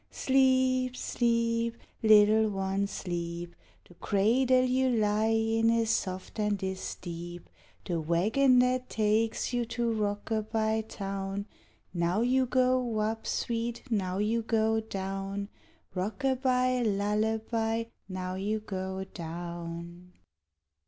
Sleep, sleep, little one, sleep; The cradle you lie in is soft and is deep, The wagon that takes you to Rockaby Town. Now you go up, sweet, now you go down, Rockaby, lullaby, now you go down.